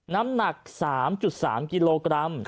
น้ำหนัก๓๓กิโลกรัม